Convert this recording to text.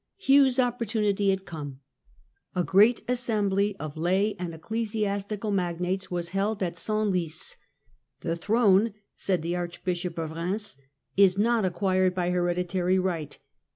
Hugh's opportunity had come. A great assembly of lay and ecclesiastical magnates was held at Senlis. "The throne," said the Archbishop of Eheims, " is not acquired by hereditary right.